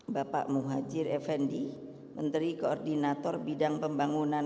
bapak muhajir effendi menteri koordinator bidang pembangunan